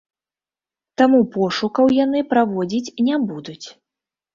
Таму пошукаў яны праводзіць не будуць.